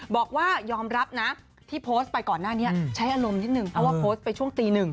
บอกว่ายอมรับนะที่โพสต์ไปก่อนหน้านี้ใช้อารมณ์นิดนึงเพราะว่าโพสต์ไปช่วงตีหนึ่ง